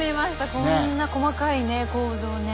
こんな細かいね構造ね。